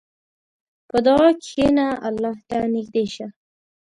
په دعا کښېنه، الله ته نږدې شه.